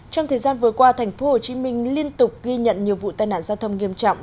trong thời gian vừa qua thành phố hồ chí minh liên tục ghi nhận nhiều vụ tai nạn giao thông nghiêm trọng